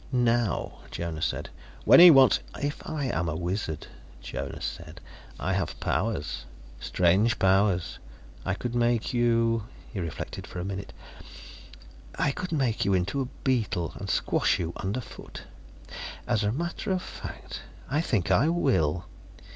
"Now," Jonas said. "When he wants " "If I am a wizard," Jonas said, "I have powers. Strange powers. I could make you " He reflected for a minute. "I could make you into a beetle, and squash you underfoot. As a matter of fact, I think I will."